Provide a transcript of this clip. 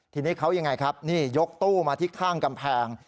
ทีนี้เขายังไงครับนี่ยกตู้มาที่ข้างกำแพง